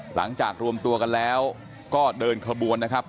หลังจากรวมตัวกันแล้วก็เดินขบวนนะครับ